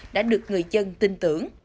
đã được người dân tin tưởng